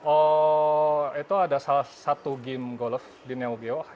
oh itu ada salah satu game golf di neoge